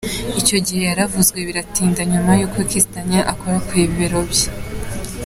Icyo gihe yaravuzwe biratinda nyuma y’uko Kiss Daniel akorakoye ibibero bye.